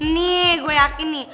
nih gue yakin nih